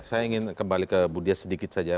saya ingin kembali ke bu dia sedikit saja